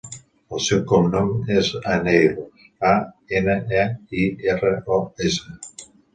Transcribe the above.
El seu cognom és Aneiros: a, ena, e, i, erra, o, essa.